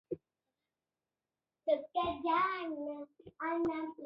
ya Kale Mnara wa Pharos ya Aleksandria Misri